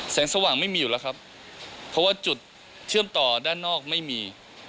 สว่างไม่มีอยู่แล้วครับเพราะว่าจุดเชื่อมต่อด้านนอกไม่มี